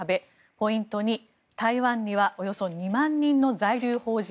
ポイント２、台湾にはおよそ２万人の在留邦人。